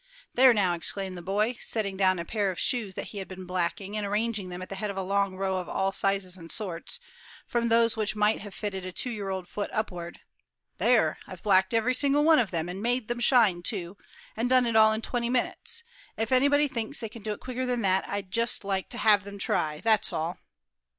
"There, now," exclaimed the boy, setting down a pair of shoes that he had been blacking, and arranging them at the head of a long row of all sizes and sorts, from those which might have fitted a two year old foot upward, "there, I've blacked every single one of them, and made them shine too, and done it all in twenty minutes; if anybody thinks they can do it quicker than that, I'd just like to have them try; that's all."